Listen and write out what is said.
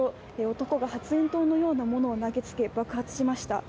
男が発煙筒のような物を投げつけ爆発しました。